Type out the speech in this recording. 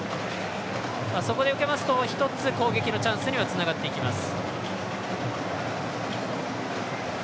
そこで受けますと一つ、攻撃のチャンスにつながっていきます。